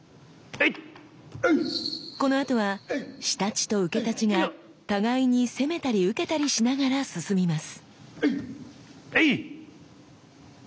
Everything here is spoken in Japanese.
このあとは仕太刀と受太刀が互いに攻めたり受けたりしながら進みます。